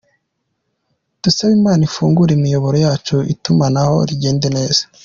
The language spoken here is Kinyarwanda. Dusabe Imana ifungure imiyoboro yacu itumanaho rigende neza.